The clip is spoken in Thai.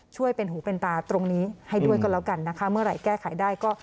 ช่วยเป็นหูเป็นตาตรงนี้ให้ด้วยก็แล้วกันนะคะเมื่อไหร่แก้ไขได้ก็